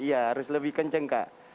iya harus lebih kenceng kak